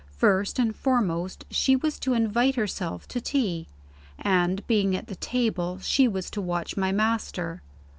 "First and foremost, she was to invite herself to tea. And, being at the table, she was to watch my master.